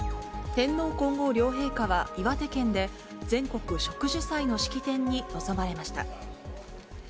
天皇皇后両陛下は、岩手県で、全国植樹祭の式典に臨まれました。